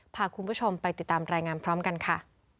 พาคุณผู้ชมไปติดตามรายงานพร้อมกันค่ะ